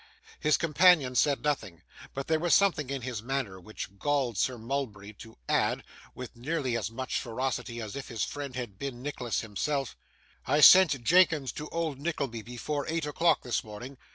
His companion said nothing, but there was something in his manner which galled Sir Mulberry to add, with nearly as much ferocity as if his friend had been Nicholas himself: 'I sent Jenkins to old Nickleby before eight o'clock this morning.